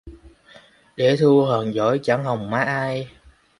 Để Thu hờn dỗi chẳng hồng má ai